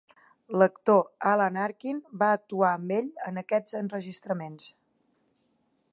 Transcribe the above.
L'actor Alan Arkin va actuar amb ell en aquests enregistraments.